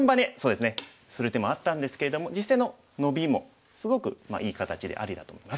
する手もあったんですけれども実戦のノビもすごくいい形でありだと思います。